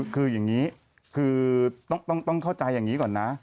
คืออย่างนี้คือต้องเข้าใจอย่างนี้ก่อนนะ